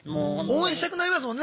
応援したくなりますもんね